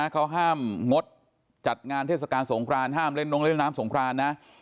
เขาห้ามงดจัดงานเทศกาลสงครานห้ามเล่นนงเล่นน้ำสงครานนะ